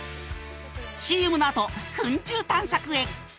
ＣＭのあと糞虫探索へ！